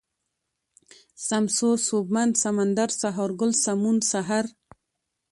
سمسور ، سوبمن ، سمندر ، سهارگل ، سمون ، سحر